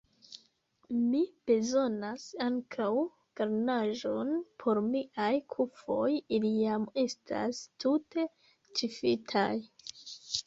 Mi bezonas ankaŭ garnaĵon por miaj kufoj, ili jam estas tute ĉifitaj.